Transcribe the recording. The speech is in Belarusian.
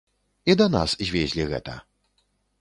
І да нас звезлі гэта.